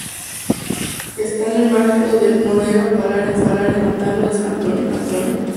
Están en el margen izquierdo del Noguera Pallaresa hacia el Pantano de Sant Antoni.